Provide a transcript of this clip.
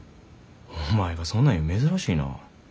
お前がそんなん言うん珍しいなぁ。